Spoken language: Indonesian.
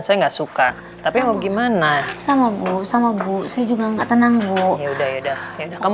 saya nggak suka tapi mau gimana sama bu sama bu saya juga nggak tenang bu ya udah udah kamu